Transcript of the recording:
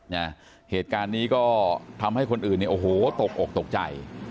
นะเหตุการณ์นี้ก็ทำให้คนอื่นเนี่ยโอ้โหตกอกตกใจ